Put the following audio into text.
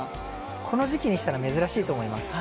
この時期にしたら珍しいと思います。